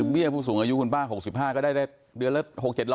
เบี้ยผู้สูงอายุคุณป้า๖๕ก็ได้เดือนละ๖๗๐๐